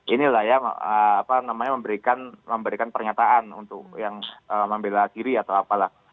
inilah ya apa namanya memberikan pernyataan untuk yang membela diri atau apalah